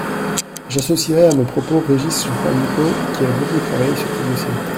J’associerai à mes propos Régis Juanico, qui a beaucoup travaillé sur ce dossier.